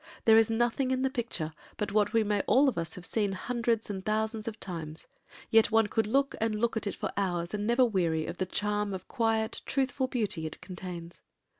There is nothing in the picture but what we may all of us have seen hundreds and thousands of times, and yet one could look and look at it for hours and never weary of the charm of quiet, truthful beauty it contains.